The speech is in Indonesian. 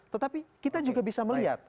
tetapi kita juga bisa melihat